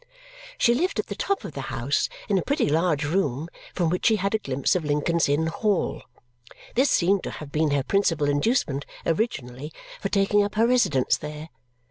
She lived at the top of the house, in a pretty large room, from which she had a glimpse of Lincoln's Inn Hall. This seemed to have been her principal inducement, originally, for taking up her residence there.